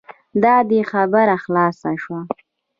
دا دی خبره خلاصه شوه.